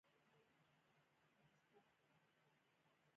میرمن وویل ډیر په شور سره ښاغلی هولمز